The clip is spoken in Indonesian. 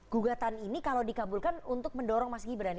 gugatan ini kalau dikabulkan untuk mendorong mas gibran